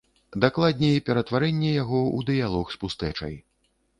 Дакладней, ператварэнне яго ў дыялог з пустэчай.